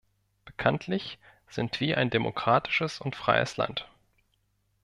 Bekanntlich sind wir ein demokratisches und freies Land.